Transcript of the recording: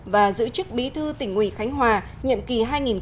và giữ chức bí thư tỉnh ủy khánh hòa nhiệm kỳ hai nghìn một mươi năm hai nghìn hai mươi